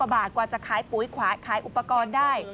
๔๐๐๐๐๐บาทกว่าจะขายปุ๋ยขวาขายอุปกรณ์ได้